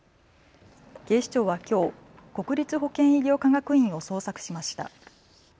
警視庁はきょう国立保健医療科学院を捜索しました。